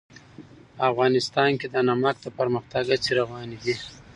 افغانستان کې د نمک د پرمختګ هڅې روانې دي.